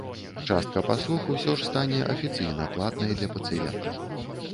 Частка паслуг усё ж стане афіцыйна платнай для пацыентаў.